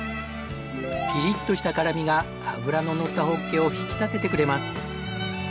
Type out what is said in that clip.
ピリッとした辛みが脂ののったホッケを引き立ててくれます。